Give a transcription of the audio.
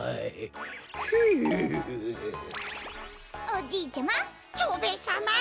おじいちゃま。